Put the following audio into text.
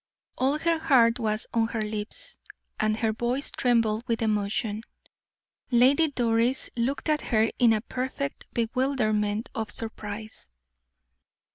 All her heart was on her lips, and her voice trembled with emotion. Lady Doris looked at her in a perfect bewilderment of surprise.